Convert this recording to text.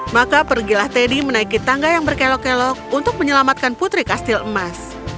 maka pergilah teddy menaiki tangga yang berkelok kelok untuk menyelamatkan putri kastil emas